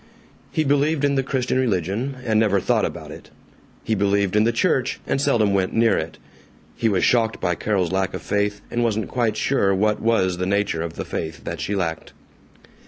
He believed in the Christian religion, and never thought about it, he believed in the church, and seldom went near it; he was shocked by Carol's lack of faith, and wasn't quite sure what was the nature of the faith that she lacked.